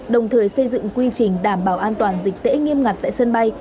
đồng thời xây dựng quy trình đảm bảo an toàn dịch tễ nghiêm ngặt tại sân bay